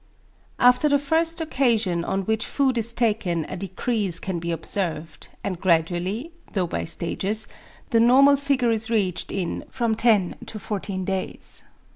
After the first occasion on which food is taken a decrease can be observed, and gradually (though by stages) the normal figure is reached in from 10 14 days.